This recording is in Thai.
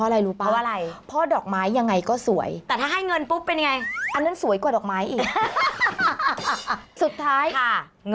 ต่างเงินเท่านั้น